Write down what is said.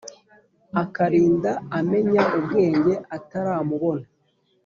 akarinda amenya ubwenge ataramubona.